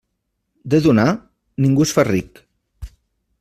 De donar, ningú es fa ric.